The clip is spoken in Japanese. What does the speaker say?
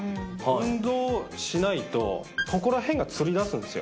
運動しないと、ここら辺がつり出すんですよ。